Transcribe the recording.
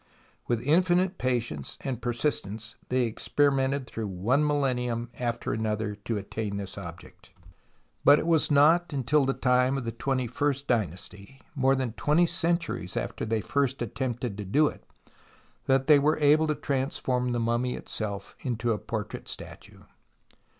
With infinite patience and persistence they experimented through one millennium after another to attain this object. But it was not E 58 TUTANKHAMEN until the time of the twenty first dynasty, more than twenty centuries after they first attempted to do it, that they were able to transform tlie mummy itself into a portrait statue.